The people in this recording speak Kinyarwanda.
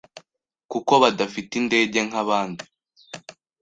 kuko badafite indege nkabandi